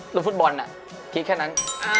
ฟุตบอลน่ะคิดแค่นั้น